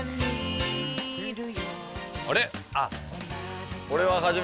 あれ？